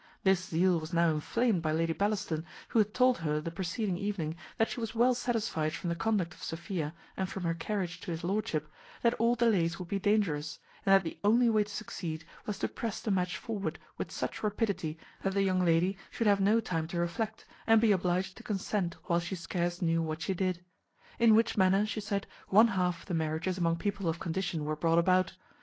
This zeal was now inflamed by Lady Bellaston, who had told her the preceding evening, that she was well satisfied from the conduct of Sophia, and from her carriage to his lordship, that all delays would be dangerous, and that the only way to succeed was to press the match forward with such rapidity that the young lady should have no time to reflect, and be obliged to consent while she scarce knew what she did; in which manner, she said, one half of the marriages among people of condition were brought about.